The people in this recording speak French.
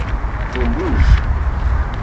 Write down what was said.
On bouge.